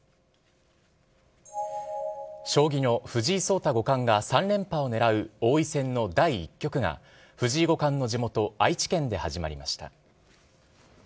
将棋の藤井聡太５冠が３連覇をねらう王位戦の第１局が、藤井五冠の地元、愛知県で始まりました。